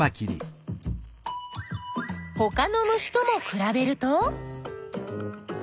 ほかの虫ともくらべると？